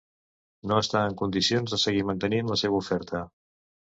No està en condicions de seguir mantenint la seva oferta.